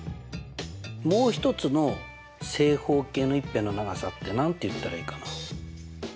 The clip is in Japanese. もう１つの正方形の１辺の長さって何て言ったらいいかな？